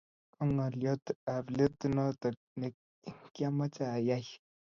Kong'olyot ap let notok ne kiamoche ayai